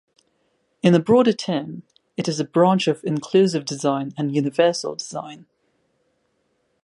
In a broader term, it is a branch of inclusive design and universal design.